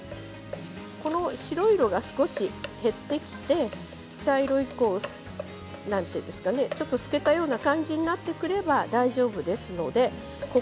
白い色が少し減ってきて茶色い、ちょっと透けたような感じになってくれば大丈夫ですので。